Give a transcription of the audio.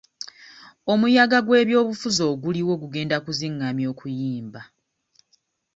Omuyaga gw'ebyobufuzi oguliwo gugenda kuzingamya okuyimba.